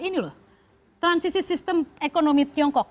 ini loh transisi sistem ekonomi tiongkok